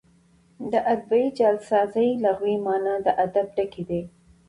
د ادبي جعلسازۍ لغوي مانا د ادب ټګي ده.